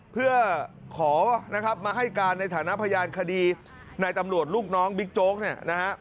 เพื่อขอนะครับมาให้การในฐานะพยานคดีในตำรวจลูกน้องบิ๊กโจ๊กเนี่ยนะฮะ